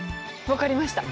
分かりました。